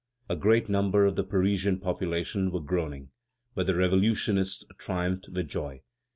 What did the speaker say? A great number of the Parisian population were groaning, but the revolutionists triumphed with joy.